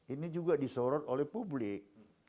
ini juga disorot oleh publik